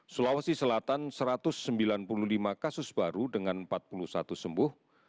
sulawesi selatan satu ratus sembilan puluh lima kasus baru dengan empat puluh satu sembuh